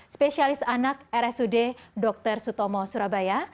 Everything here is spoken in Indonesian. spesialis anak rsud dr sutomo surabaya